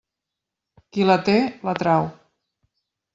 Qui la té, la trau.